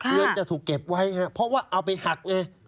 เรือนจะถูกเก็บไว้ครับเพราะว่าเอาไปหักไง